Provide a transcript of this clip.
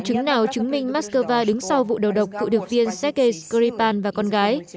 chứng nào chứng minh moscow đứng sau vụ đầu độc cựu điệp viên sergei skripal và con gái